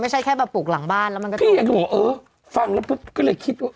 ไม่ใช่แค่แบบปลูกหลังบ้านแล้วมันก็พี่อยากดูหรอเออฟังแล้วปุ๊บก็เลยคิดว่า